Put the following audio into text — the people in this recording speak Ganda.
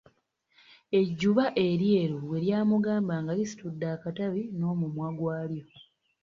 Ejjuba eryeeru bwe lyamugamba, nga lisitudde akatabi n'omumwa gw'alyo.